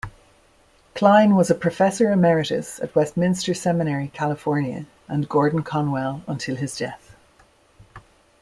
Kline was a professor emeritus at Westminster Seminary California and Gordon-Conwell until his death.